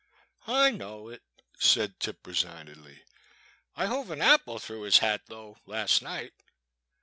" I know it," said Tip, resignedly, " I hove 'n apple through his hat though, — last night."